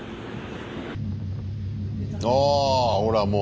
あぁほらもう。